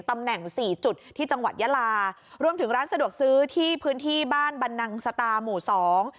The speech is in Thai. ตำแหน่งสี่จุดที่จังหวัดยาลารวมถึงร้านสะดวกซื้อที่พื้นที่บ้านบรรนังสตาหมู่สอง